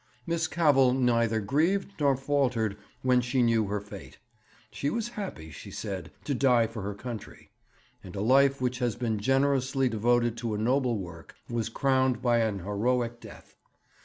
'Miss Cavell neither grieved nor faltered when she knew her fate. She was happy, she said, to die for her country; and a life which had been generously devoted to a noble work was crowned by an heroic death.